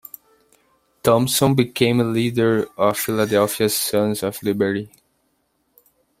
Thomson became a leader of Philadelphia's Sons of Liberty.